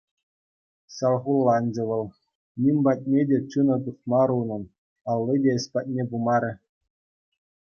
Салхуланчӗ вӑл, ним патне те чунӗ туртмарӗ унӑн, алли те ĕç патне пымарӗ.